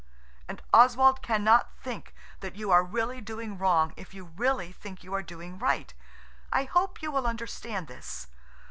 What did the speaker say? And Oswald cannot think that you are really doing wrong if you really think you are doing right. I hope you will understand this.